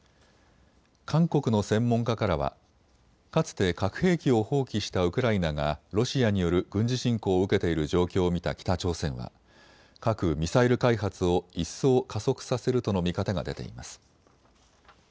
韓国の専門家からはかつて核兵器を放棄したウクライナがロシアによる軍事侵攻を受けている状況を見た北朝鮮は核・ミサイル開発を一層加速させるとの見方が出ています。